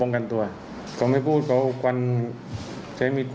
โอเคอยากได้รถคืนนี่